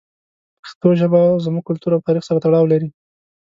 پښتو ژبه زموږ کلتور او تاریخ سره تړاو لري.